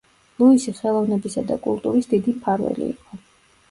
ლუისი ხელოვნებისა და კულტურის დიდი მფარველი იყო.